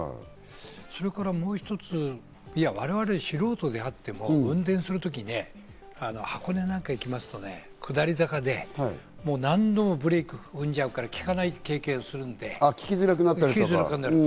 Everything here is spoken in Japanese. それからもう一つ、いや我々、素人であっても運転する時ね、箱根なんか行きますとね、下り坂で何度もブレーキを踏んじゃうから利かない経験をするんで、利きづらくなる。